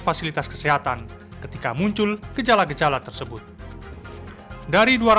fasilitas kesehatan ketika muncul gejala gejala tersebut dari dua ratus empat puluh sembilan kasus sampai minggu pertama